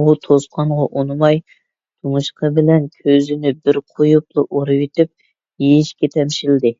ئۇ توسقانغا ئۇنىماي، تۇمشۇقى بىلەن كوزىنى بىر قويۇپلا ئۆرۈۋېتىپ، يېيىشكە تەمشەلدى.